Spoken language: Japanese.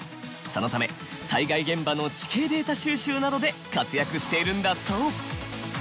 そのため災害現場の地形データ収集などで活躍しているんだそう。